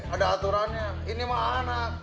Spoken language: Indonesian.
ada aturannya ini mah anak